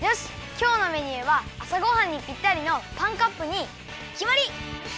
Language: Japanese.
きょうのメニューはあさごはんにぴったりのパンカップにきまり！